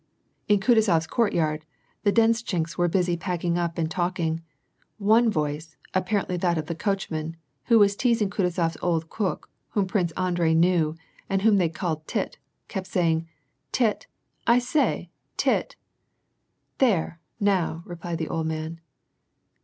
In Kutuzofs courtyard the denshchiks were busy packing up and talking ; one voice, apparently that of the coachman, who was teazing KutuzoPs old cook, whom Prince Andrei knew, and whom they called Tit, kept saying, " Tit, I say, Tit !"" There, now," replied the old man.